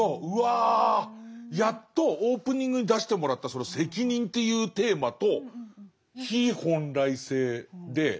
うわやっとオープニングに出してもらったその「責任」っていうテーマと非本来性で。